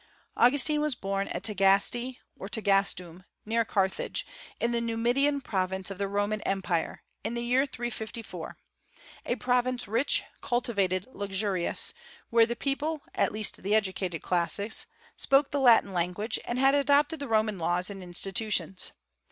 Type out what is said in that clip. Augustine was born at Tagaste, or Tagastum, near Carthage, in the Numidian province of the Roman Empire, in the year 354, a province rich, cultivated, luxurious, where the people (at least the educated classes) spoke the Latin language, and had adopted the Roman laws and institutions.